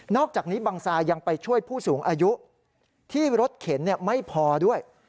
อกจากนี้บังซายังไปช่วยผู้สูงอายุที่รถเข็นไม่พอด้วย